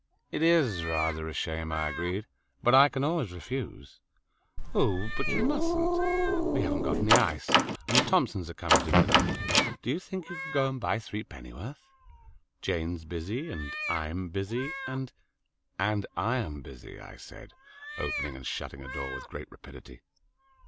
"It is rather a shame," I agreed, "but I can always refuse." "Oh, but you mustn't. We haven't got any ice, and the Thompsons are coming to dinner. Do you think you could go and buy threepennyworth? Jane's busy, and I'm busy, and " "And I'm busy," I said, opening and shutting a drawer with great rapidity.